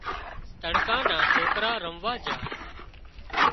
تڙڪا نا سوڪرا رموا جھا